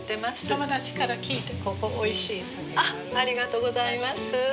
ありがとうございます。